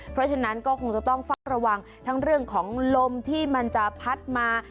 เพราะฉะนั้นก็คงจะต้องเฝ้าระวังทั้งเรื่องของลมที่มันจะพัดมา